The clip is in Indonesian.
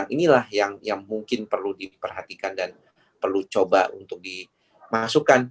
inilah yang mungkin perlu diperhatikan dan perlu coba untuk dimasukkan